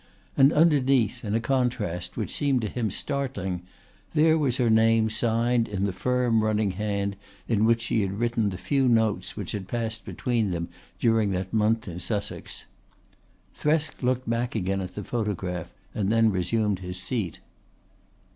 And underneath, in a contrast which seemed to him startling, there was her name signed in the firm running hand in which she had written the few notes which passed between them during that month in Sussex. Thresk looked back again at the photograph and then resumed his seat.